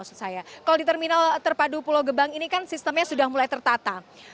kalau di terminal terpadu pulau gebang ini kan sistemnya sudah mulai tertata